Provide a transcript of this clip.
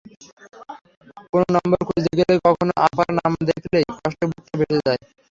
কোনো নম্বর খুঁজতে গেলে কখনো আপার নামটা দেখলেই কষ্টে বুকটা ভেসে যায়।